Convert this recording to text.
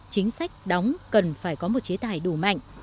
chính sách đóng cần phải có một chế tài đủ mạnh